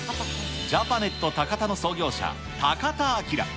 ジャパネットたかたの創業者、高田明。